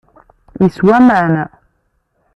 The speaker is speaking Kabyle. Yeswa aman.